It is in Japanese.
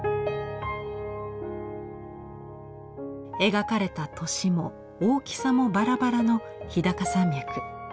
描かれた年も大きさもバラバラの日高山脈。